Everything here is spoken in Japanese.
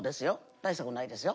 大したことないですよ。